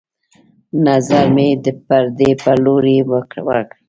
نظر مې د پردې په لورې وکړ